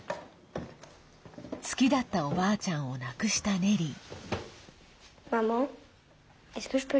好きだったおばあちゃんを亡くしたネリー。